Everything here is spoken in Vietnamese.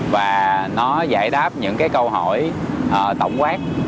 và nó giải đáp những câu hỏi tổng quát